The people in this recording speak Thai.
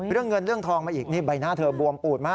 เรื่องเงินเรื่องทองมาอีกนี่ใบหน้าเธอบวมปูดมาก